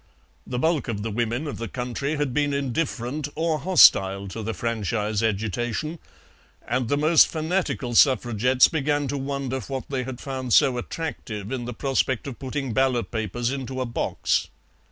The bulk of the women of the country had been indifferent or hostile to the franchise agitation, and the most fanatical Suffragettes began to wonder what they had found so attractive in the prospect of putting ballot papers into a box.